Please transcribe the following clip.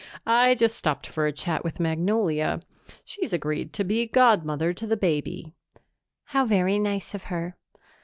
"I just stopped for a chat with Magnolia. She's agreed to be godmother to the baby." "How very nice of her.